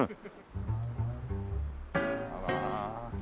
あら。